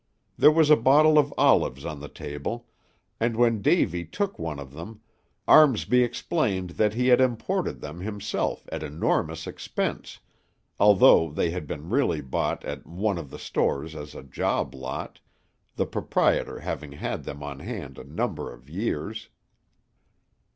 There was a bottle of olives on the table, and when Davy took one of them, Armsby explained that he had imported them himself at enormous expense, although they had been really bought at one of the stores as a job lot, the proprietor having had them on hand a number of years.